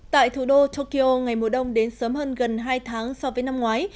tại thủ đô tokyo ngày mùa đông đến sớm hơn gần hai tháng so với năm ngoái